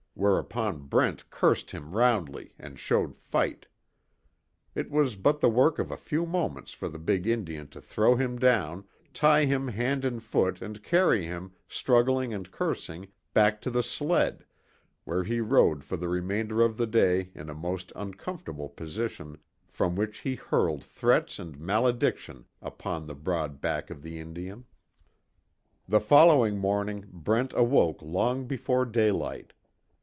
Whereupon Brent cursed him roundly, and showed fight. It was but the work of a few moments for the big Indian to throw him down, tie him hand and foot and carry him, struggling and cursing, back to the sled, where he rode for the remainder of the day in a most uncomfortable position from which he hurled threats and malediction upon the broad back of the Indian. The following morning Brent awoke long before daylight.